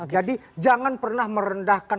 jadi jangan pernah merendahkan